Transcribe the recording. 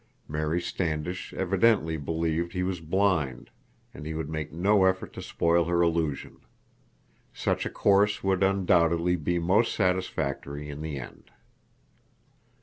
Mary Standish evidently believed he was blind, and he would make no effort to spoil her illusion. Such a course would undoubtedly be most satisfactory in the end.